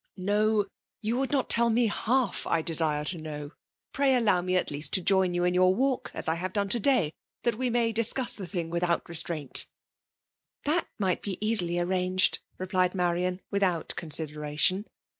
No ! you would not tell me half I desire to know. Pray allow me at least to join you in your walk, as I have done to*day, that we may discuss the thing without restraint" '' That might easily be arranged*'* replied Marian, without consideration.